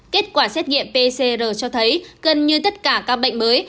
kết quả xét nghiệm pcr cho thấy gần như tất cả các bệnh mới